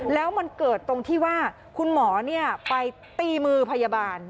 แล้วมันเกิดตรงที่ว่าคุณหมอไปตีมือพยาบาล